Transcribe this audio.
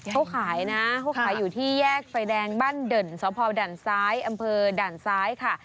เขาขายนะเขาขายอยู่ที่แยกไฟแดงบ้านเด่นสพด่านซ้ายอำเภอด่านซ้ายค่ะ